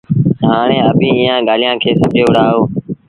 هآڻي اڀيٚنٚ ايٚئآنٚ ڳآليٚنٚ کي سمجھي وهُڙآ اهو